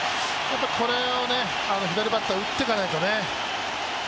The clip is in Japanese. これを左バッターは打っていかないとね。